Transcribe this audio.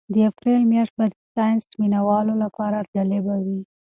د اپریل میاشت به د ساینس مینه والو لپاره جالبه وي.